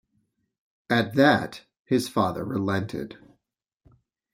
At that, his father relented.